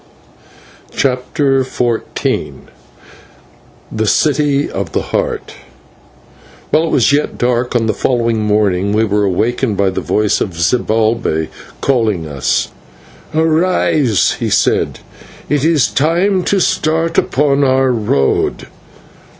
CHAPTER XIV THE CITY OF THE HEART While it was yet dark on the following morning we were awakened by the voice of Zibalbay calling us. "Arise," he said; "it is time to start upon our road."